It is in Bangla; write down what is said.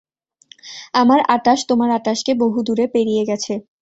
আমার আটাশ তোমার আটাশকে বহুদূরে পেরিয়ে গেছে।